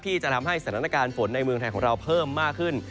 ที่จะทำให้สถานการณ์ฝนในเมืองไทยของเราเพิ่มมากขึ้น